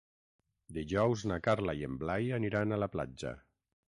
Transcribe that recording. Dijous na Carla i en Blai aniran a la platja.